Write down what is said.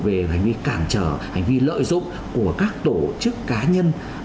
về hành vi cản trở hành vi lợi dụng của các tổ chức cá nhân